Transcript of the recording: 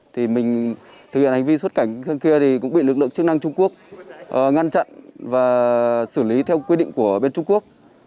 thì mình thực hiện hành vi xuất cảnh bên kia thì cũng bị lực lượng chức năng trung quốc ngăn chặn và xử lý theo quy định của bên trung quốc